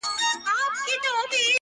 o ياد مي ته که، موړ به مي خداى کي.